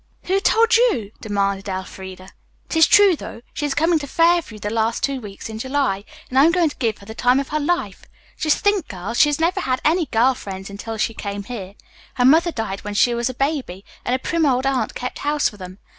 "Who told you?" demanded Elfreda. "It is true, though. She is coming to Fairview the last two weeks in July, and I am going to give her the time of her life. Just think, girls, she has never had any girl friends until she came here. Her mother died when she was a baby, and a prim old aunt kept house for them.